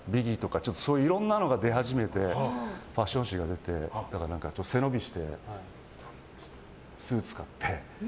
いろんなものが出始めてファッション誌が出て背伸びして、スーツ買って。